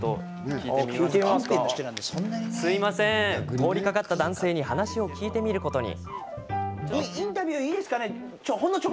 通りかかった男性に話を聞いてみることに。